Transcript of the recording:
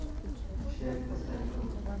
সে একটা সাইকো।